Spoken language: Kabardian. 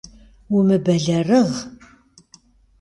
Умыбэлэрыгъ!